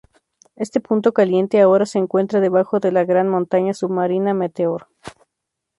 Este punto caliente ahora se encuentra debajo de la gran montaña submarina Meteor.